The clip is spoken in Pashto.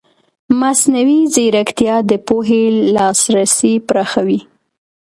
مصنوعي ځیرکتیا د پوهې لاسرسی پراخوي.